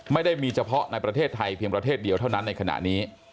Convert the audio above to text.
ไม่ได้มีเฉพาะในประเทศไทยเพียงประเทศเดียวเท่านั้นในขณะนี้